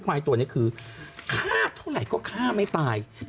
ควายตัวนี้คือฆ่าเท่าไหร่ก็ฆ่าไม่ตาย